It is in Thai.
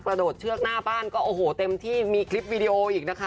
โดดเชือกหน้าบ้านก็โอ้โหเต็มที่มีคลิปวิดีโออีกนะคะ